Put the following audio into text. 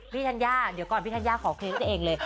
ธัญญาเดี๋ยวก่อนพี่ธัญญาขอเคลส์ตัวเองเลย